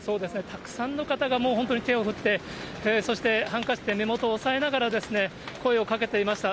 たくさんの方が、もう本当に手を振って、そしてハンカチで目元を押さえながら、声をかけていました。